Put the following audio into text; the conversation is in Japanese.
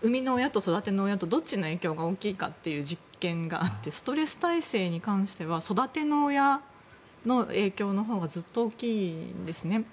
生みの親と育ての親のどっちが大きいかという実験があってストレス耐性は育ての親の影響のほうがずっと大きいんですね。